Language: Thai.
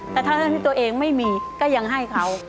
แต่ทั้งที่ตัวเองไม่มีก็ยังให้เขา